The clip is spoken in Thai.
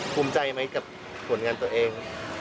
ภูมิใจไหมกับผลงานตัวเอง